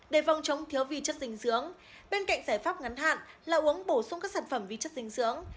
để phòng chống thiếu vi chất dinh dưỡng bên cạnh giải pháp ngắn hạn là uống bổ sung các sản phẩm vi chất dinh dưỡng